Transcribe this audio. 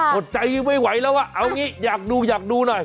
อดใจไม่ไหวแล้วว่าเอางี้อยากดูอยากดูหน่อย